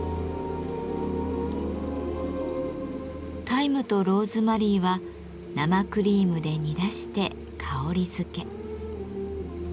タイムとローズマリーは生クリームで煮出して香りづけ。